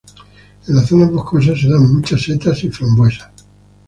En las zonas boscosas se dan muchas setas y frambuesas.